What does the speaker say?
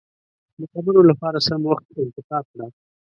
د خبرو له پاره سم وخت انتخاب کړه.